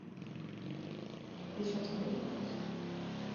Fixo as Américas?